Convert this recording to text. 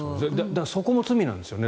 そこも罪なんですよね。